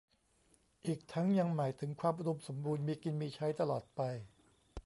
อีกทั้งยังหมายถึงความอุดมสมบูรณ์ มีกินมีใช้ตลอดไป